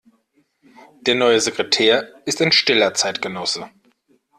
Der neue Sekretär ist ein stiller Zeitgenosse.